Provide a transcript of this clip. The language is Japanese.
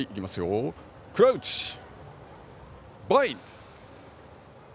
クラウチ、バインド。